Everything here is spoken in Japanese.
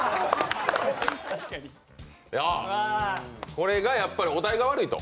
これがやっぱりお題が悪いと。